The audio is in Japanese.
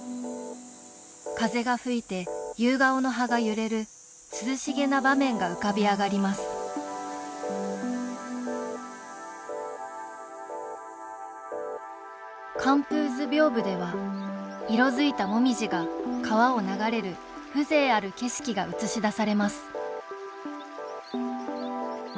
風が吹いて、夕顔の葉が揺れる涼しげな場面が浮かび上がります「観楓図屏風」では色づいた、もみじが川を流れる風情ある景色が映し出されます